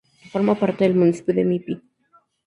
Forma parte del municipio de Mapimí.